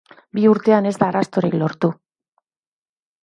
Bi urtean ez da arrastorik lortu.